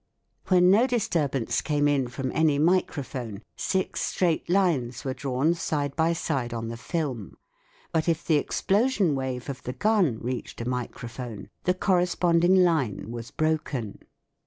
When no disturbance came in from any microphone six straight lines were drawn side by side on the film ; but if the explosion wave of the gun reached a micro phone, the corresponding line was broken.